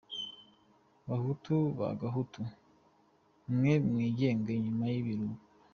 Bahutu ba Gahutu mwe, mwigenge inyuma y’ibirura.